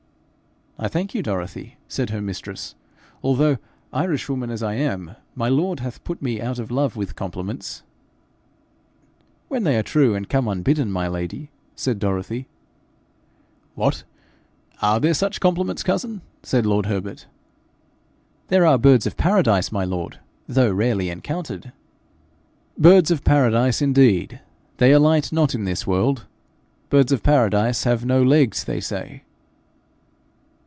'I thank you, Dorothy,' said her mistress; 'although, Irishwoman as I am, my lord hath put me out of love with compliments.' 'When they are true and come unbidden, my lady,' said Dorothy. 'What! are there such compliments, cousin?' said lord Herbert. 'There are birds of Paradise, my lord, though rarely encountered.' 'Birds of Paradise indeed! they alight not in this world. Birds of Paradise have no legs, they say.